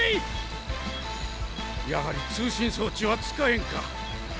やはり通信装置は使えんか。